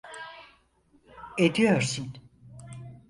Ediyorsun.